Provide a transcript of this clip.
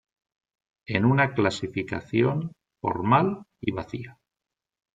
en una clasificación formal y vacía